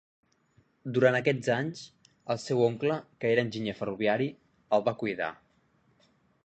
Durant aquests anys, el seu oncle, que era enginyer ferroviari, el va cuidar.